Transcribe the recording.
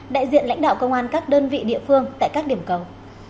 đại diện lãnh đạo công an các đơn vị địa phương tại các điểm cầu